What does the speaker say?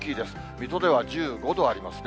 水戸では１５度ありますね。